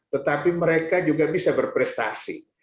tetapi mereka juga bisa berprestasi